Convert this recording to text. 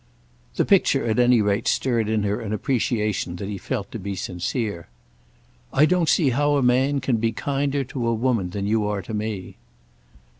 The picture at any rate stirred in her an appreciation that he felt to be sincere. "I don't see how a man can be kinder to a woman than you are to me."